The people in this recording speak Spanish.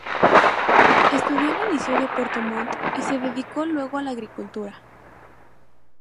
Estudió en el Liceo de Puerto Montt y se dedicó luego a la agricultura.